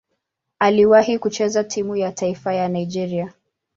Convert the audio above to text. Aliwahi kucheza timu ya taifa ya Nigeria.